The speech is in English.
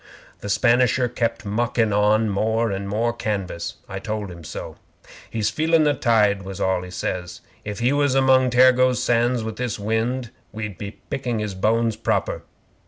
'The Spanisher kept muckin' on more and more canvas. I told him so. '"He's feelin' the tide," was all he says. "If he was among Tergoes Sands with this wind, we'd be picking his bones proper.